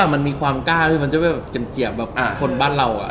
มันมีความกล้าที่มันจะแบบเจียบแบบคนบ้านเรา